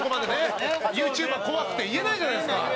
ＹｏｕＴｕｂｅｒ怖くて言えないじゃないですか。